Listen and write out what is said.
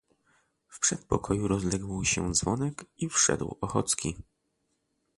"W przedpokoju rozległ się dzwonek i wszedł Ochocki."